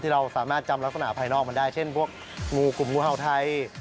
เราสามารถจำลักษณะภายนอกมันได้เช่นพวกงูกลุ่มงูเห่าไทย